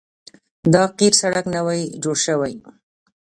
دا قیر سړک نوی جوړ شوی